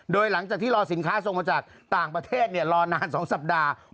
โดยหลังจากที่รอสินค้าส่งมาจากต่างประเทศรอนาน๒สัปดาห์